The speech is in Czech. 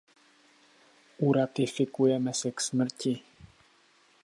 Uratifikujeme se k smrti.